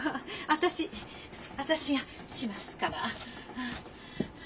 私私がしますから。